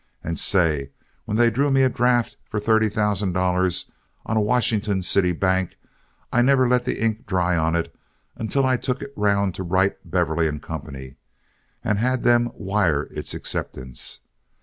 And say, when they drew me a draft for thirty thousand dollars on a Washington City bank, I never let the ink dry on it until I took it around to Wright, Beverly & Co., and had them wire its acceptance.